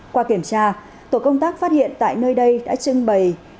qua kiểm tra tổ công tác phát hiện tại nơi đây đã trưng bày